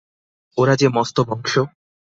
ওরা যে মস্ত বংশ।